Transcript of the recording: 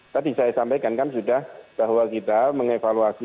tadi saya sampaikan kan sudah bahwa kita mengevaluasi